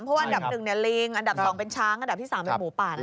เพราะว่าอันดับหนึ่งลิงอันดับสองเป็นช้างอันดับที่สามเป็นหมูป่านะครับ